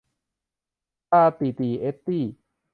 ตาตี่ตี่ เอตตี้